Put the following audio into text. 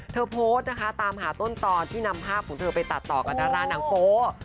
เธอโพสต์นะคะตามหาต้นตอนที่นำภาพของเธอไปตัดต่อกับดารานางโป๊